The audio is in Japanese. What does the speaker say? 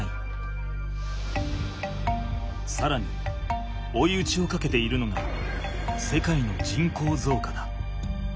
さらに追い打ちをかけているのが世界の人口増加だ。